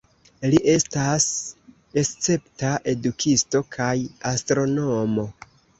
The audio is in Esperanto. Li estas escepta edukisto kaj astronomo.